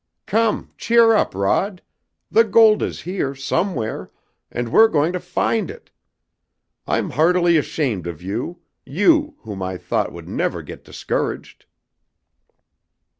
"Come, cheer up, Rod! The gold is here, somewhere, and we're going to find it! I'm heartily ashamed of you; you, whom I thought would never get discouraged!"